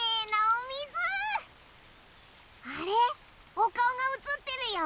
おかおがうつってるよ。